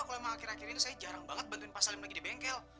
kalau emang akhir akhir ini saya jarang banget bantuin pasal yang lagi di bengkel